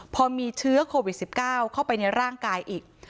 พอมีเชื้อโควิด๑๙เข้าไปในร่างกายอีก